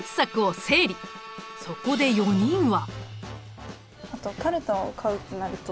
そこで４人は。